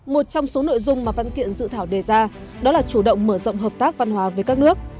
một trong số nội dung mà văn kiện dự thảo đề ra đó là chủ động mở rộng hợp tác văn hóa với các nước